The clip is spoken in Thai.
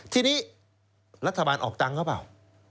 ทีนี้รัฐบาลออกตังค์หรือเปล่า